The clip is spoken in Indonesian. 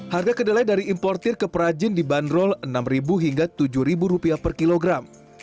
harga kedelai dari impor keperrajin dibanderol rp enam hingga rp tujuh per kilogram